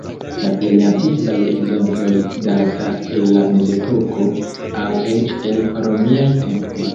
La plej antikvaj ekzemploj datas el la Mezepoko, aŭ eĉ el romiaj tempoj.